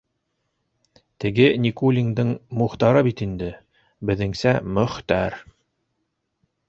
Теге Никулиндың Мухтары бит инде, беҙҙеңсә Мөх-тәр.